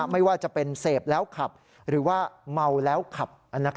ไม่ว่าจะเป็นเสพแล้วขับหรือว่าเมาแล้วขับ